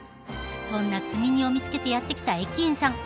そんな積み荷を見つけてやって来た駅員さん。